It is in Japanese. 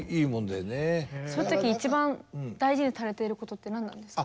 そういう時一番大事にされてることって何なんですか？